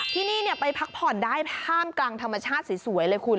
ที่นี่ไปพักผ่อนได้ท่ามกลางธรรมชาติสวยเลยคุณ